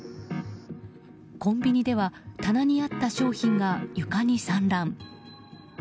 コンビニでは棚にあった商品が床に散乱。